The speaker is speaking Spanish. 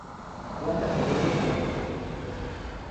Planta perenne, pelosa, cespitosa.